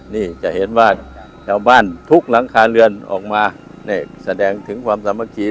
นี่จะเห็นว่าชาวบ้านทุกหลังคาเรือนออกมานี่แสดงถึงความสามัคคี